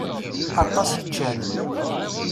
Aṭas i ččan.